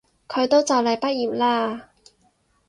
佢都就嚟畢業喇